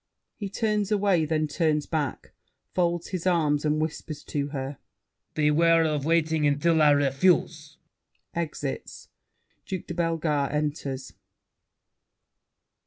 [He turns away, then turns back: folds his arms and whispers to her. Beware of waiting until I refuse! [Exits. Duke de Bellegarde enters.